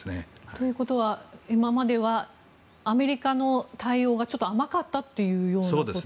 ということは今まではアメリカの対応がちょっと甘かったというようなことですか。